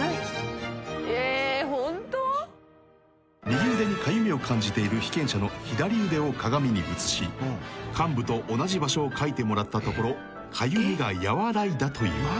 ［右腕にかゆみを感じている被験者の左腕を鏡に映し患部と同じ場所をかいてもらったところかゆみが和らいだという］